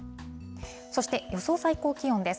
そして、予想最高気温です。